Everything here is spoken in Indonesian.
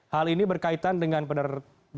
hal ini berkaitan dengan penerbangan